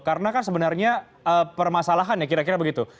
karena kan sebenarnya permasalahan ya kira kira begitu